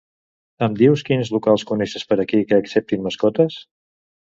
Em dius quins locals coneixes per aquí que acceptin mascotes?